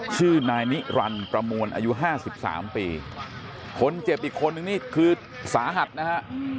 ชื่อนายนิรันดิ์ประมวลอายุห้าสิบสามปีคนเจ็บอีกคนนึงนี่คือสาหัสนะฮะ